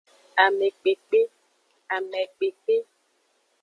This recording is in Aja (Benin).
Amekpekpe, amekpekpe.